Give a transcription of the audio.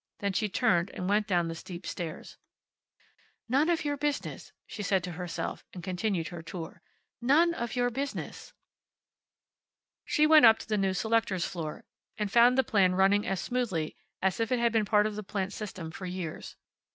Then she turned and went down the steep stairs. "None of your business," she said to herself, and continued her tour. "None of your business." She went up to the new selectors' floor, and found the plan running as smoothly as if it had been part of the plant's system for years.